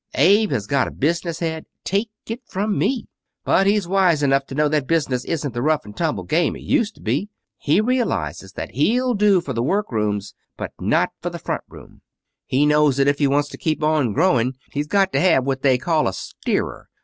Abe has got a business head, take it from me. But he's wise enough to know that business isn't the rough and tumble game it used to be. He realizes that he'll do for the workrooms, but not for the front shop. He knows that if he wants to keep on growing he's got to have what they call a steerer.